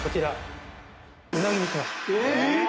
えっ